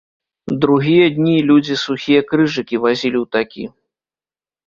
Другія дні людзі сухія крыжыкі вазілі ў такі.